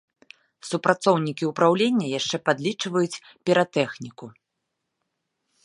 Супрацоўнікі ўпраўлення яшчэ падлічваюць піратэхніку.